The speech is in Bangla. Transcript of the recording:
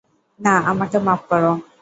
না, আমাকে মাপ করো।